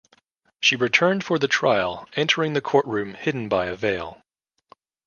She returned for the trial, entering the courtroom hidden by a veil.